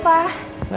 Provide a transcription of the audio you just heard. sholat subuh yuk